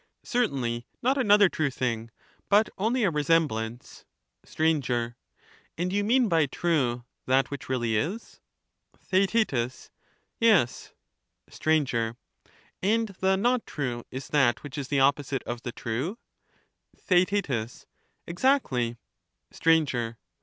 Certainly not another true thing, but only a resem blance. Str. And you mean by true that which really is ?\ Theaet. Yes. Str. And the not true is that which is the opposite of the true? TheaeU Exactly. Str.